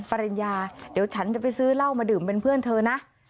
ปริญญาเดี๋ยวฉันจะไปซื้อเหล้ามาดื่มเป็นเพื่อนเธอนะ